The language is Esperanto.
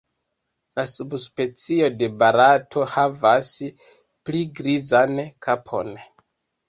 La subspecio de Barato havas pli grizan kapon.